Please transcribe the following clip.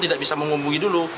tidak bisa menghubungi dulu